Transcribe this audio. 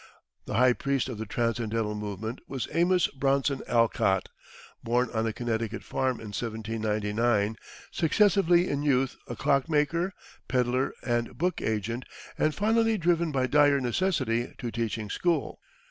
The high priest of the Transcendental movement was Amos Bronson Alcott, born on a Connecticut farm in 1799, successively in youth a clockmaker, peddler and book agent, and finally driven by dire necessity to teaching school.